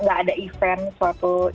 tidak ada event suatu